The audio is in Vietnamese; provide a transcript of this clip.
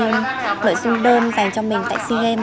nội dung đơn dành cho mình tại sea games